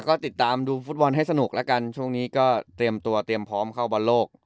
ก็ติดตามดูฟุตบอลให้สนุกแล้วกันช่วงนี้ก็เตรียมตัวเตรียมพร้อมเข้าบอลโลก